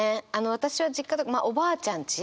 私は実家まあおばあちゃんち。